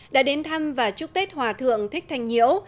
đã đến thăm và chúc tết hòa thượng thích thanh nhiễu